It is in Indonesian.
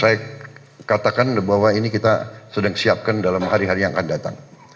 saya katakan bahwa ini kita sedang siapkan dalam hari hari yang akan datang